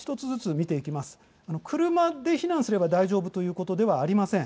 車で避難すれば大丈夫ということではありません。